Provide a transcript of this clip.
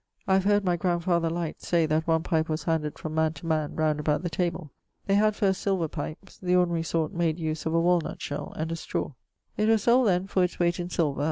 I have heard my grandfather Lyte say that one pipe was handed from man to man round about the table. They had first silver pipes; the ordinary sort made use of a walnutshell and a straw. It was sold then for it's wayte in silver.